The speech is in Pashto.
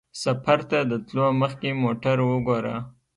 سفر ته د تلو مخکې موټر وګوره.